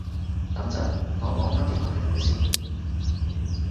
等陣，我綁返條鞋帶先